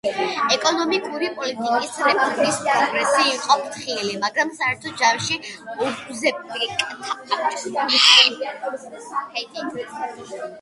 ეკონომიკური პოლიტიკის რეფორმის პროგრესი იყო ფრთხილი, მაგრამ საერთო ჯამში, უზბეკეთმა აჩვენა დამაკმაყოფილებელი მიღწევები.